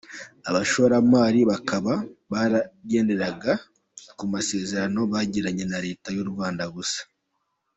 Abashoramari bakaba baragenderaga ku masezerano bagiranye na Leta y’u Rwanda gusa.